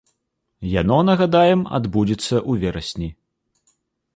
Яно, нагадаем, адбудзецца ў верасні.